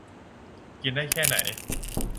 กินได้แค่ไหน